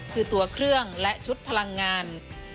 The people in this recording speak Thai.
คือตัวเครื่องและชุดพลังงาน